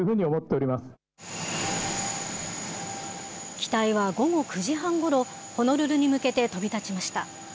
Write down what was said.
機体は午後９時半ごろ、ホノルルに向けて飛び立ちました。